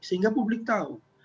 sehingga publik tahu